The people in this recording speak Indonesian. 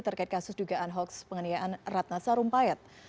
terkait kasus dugaan hoax pengenayaan ratna sarumpayat